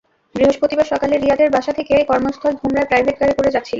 বৃহস্পতিবার সকালে রিয়াদের বাসা থেকে কর্মস্থল ধুমরায় প্রাইভেট কারে করে যাচ্ছিলেন।